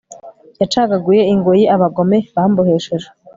yacagaguye ingoyi abagome bambohesheje